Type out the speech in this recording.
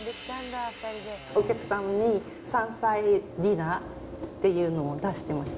お客様に山菜ディナーっていうのを出してました。